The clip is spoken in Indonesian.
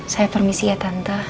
saya permisi ya tante